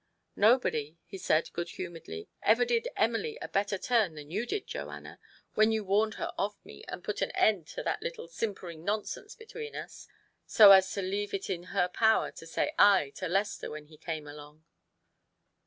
" Nobody," he said, good humouredly, " ever did Emily a better turn than you did, Joanna, when you warned her off me and put an end to that little simpering nonsense between us, so as to leave it in her power to say :' Aye ' to Lester when he came along."